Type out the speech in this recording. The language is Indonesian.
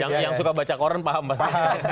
yang suka baca koran paham pasti